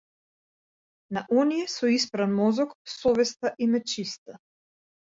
На оние со испран мозок совеста им е чиста.